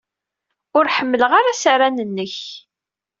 Ur ḥemmleɣ ara asaran-nnek.